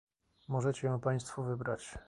Możecie ją państwo wybrać